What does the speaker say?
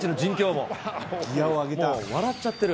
もう笑っちゃってる。